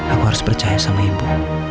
aku harus percaya sama ibu